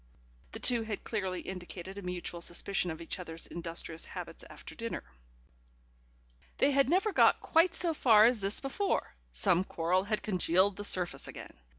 The two had clearly indicated a mutual suspicion of each other's industrious habits after dinner. ... They had never got quite so far as this before: some quarrel had congealed the surface again.